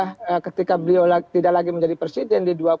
untuk mengamankan gitu ya untuk mengamankan gitu ya untuk mengamankan gitu ya